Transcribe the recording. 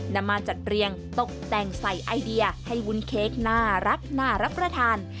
นำมาจัดเรียงตกแต่งใส่ไอเดียให้วุ้นเค้กน่ารักน่ารับประทาน